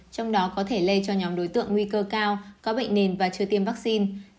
trong đó có thể lây cho nhóm đối tượng nguy cơ cao có bệnh nền và chưa tiêm vaccine